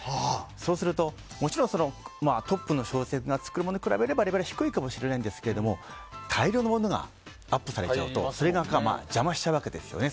そうするともちろんトップの小説家が作るものに比べればレベルは低いかもしれないんですが大量のものがアップされちゃうとそれが邪魔しちゃうわけですよね。